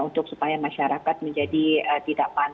untuk supaya masyarakat menjadi tidak panik